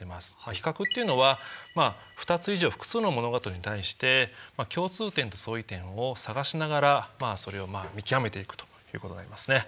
比較っていうのは２つ以上複数の物事に対して共通点と相違点を探しながらそれを見極めていくということになりますね。